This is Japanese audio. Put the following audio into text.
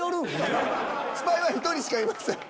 スパイは１人しかいません。